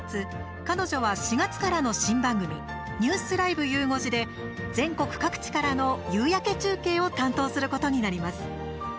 彼女は４月からの新番組「ニュースＬＩＶＥ！ゆう５時」で全国各地からの夕焼け中継を担当することになります。